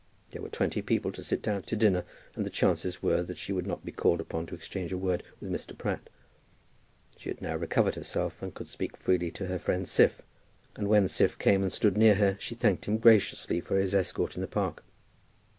There were twenty people to sit down to dinner, and the chances were that she would not be called upon to exchange a word with Mr. Pratt. She had now recovered herself, and could speak freely to her friend Siph, and when Siph came and stood near her she thanked him graciously for his escort in the Park.